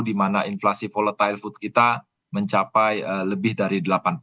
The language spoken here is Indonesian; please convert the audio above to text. di mana inflasi volatile food kita mencapai lebih dari delapan puluh